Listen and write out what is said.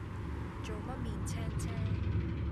做乜面青青